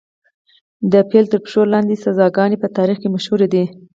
د پیل تر پښو لاندې سزاګانې په تاریخ کې مشهورې دي.